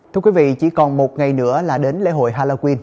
thưa quý vị chỉ còn một ngày nữa là đến lễ hội halloween